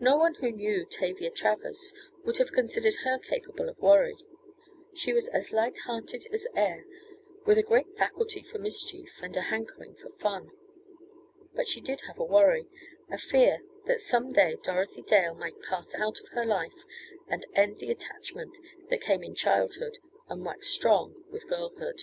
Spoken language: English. No one who knew Tavia Travers would have considered her capable of worry. She was as light hearted as air, with a great faculty for mischief and a "hankering" for fun. But she did have a worry, a fear that some day Dorothy Dale might pass out of her life and end the attachment that came in childhood and waxed strong with girlhood.